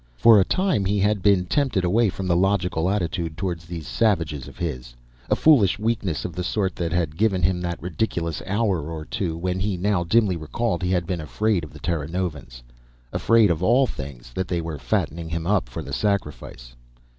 For a time he had been tempted away from the logical attitude toward these savages of his a foolish weakness of the sort that had given him that ridiculous hour or two, when, he now dimly recalled, he had been afraid of the Terranovans afraid, of all things, that they were fattening him for the sacrifice!